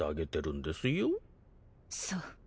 そう。